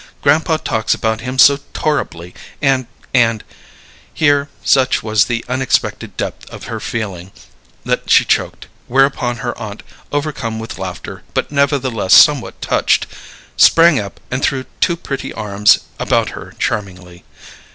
Grandpa talks about him so torrably and and " Here, such was the unexpected depth of her feeling that she choked, whereupon her aunt, overcome with laughter, but nevertheless somewhat touched, sprang up and threw two pretty arms about her charmingly.